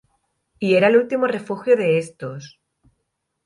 Y era el último refugio de estos.